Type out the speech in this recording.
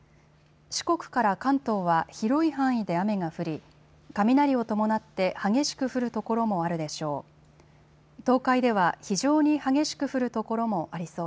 四国から関東は広い範囲で雨が降り雷を伴って激しく降る所もあるでしょう。